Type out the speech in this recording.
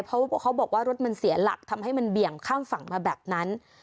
เพราะเขาบอกว่ารถมันเสียหลักทำให้มันเบี่ยงข้ามฝั่งมาแบบนั้น